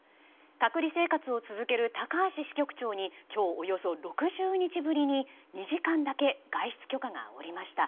隔離生活を続ける高橋支局長に今日、およそ６０日ぶりに２時間だけ外出許可が下りました。